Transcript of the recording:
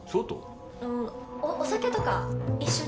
うんお酒とか一緒に。